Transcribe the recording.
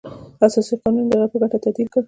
اساسي قانون یې د هغه په ګټه تعدیل کړ.